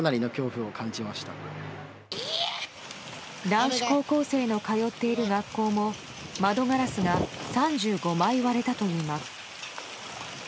男子高校生の通っている学校も窓ガラスが３５枚割れたといいます。